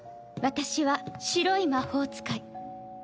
私は白い魔法使い。